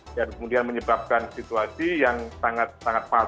dan kemudian menyebabkan situasi yang sangat sangat paling